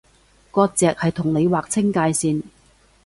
割蓆係同你劃清界線